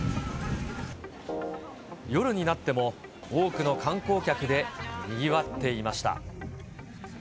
夜になっても、多くの観光客でにぎわっていました。